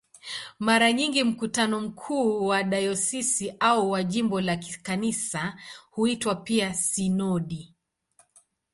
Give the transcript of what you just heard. Mara nyingi mkutano mkuu wa dayosisi au wa jimbo la Kanisa huitwa pia "sinodi".